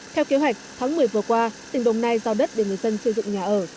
theo kế hoạch tháng một mươi vừa qua tỉnh đồng nai giao đất để người dân xây dựng nhà ở